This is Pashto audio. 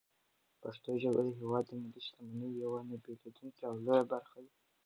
پښتو ژبه د هېواد د ملي شتمنۍ یوه نه بېلېدونکې او لویه برخه ده.